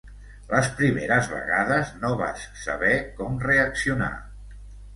Les primeres vegades no vas saber com reaccionar.